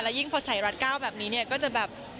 ยิ่งพอใส่รัด๙แบบนี้เนี่ยก็จะแบบ